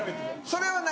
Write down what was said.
それはね